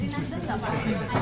dari nasdem enggak pak